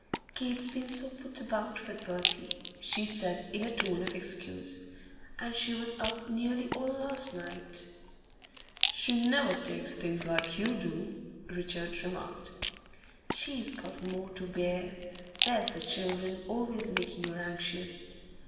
'Kate's been so put about with Bertie,' she said, in a tone of excuse. 'And she was up nearly all last night.' 'She never takes things like you do,' Richard remarked. 'She's got more to bear. There's the children always making her anxious.